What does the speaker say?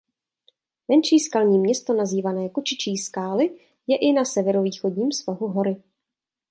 Menší skalní město nazývané Kočičí skály je i na severovýchodním svahu hory.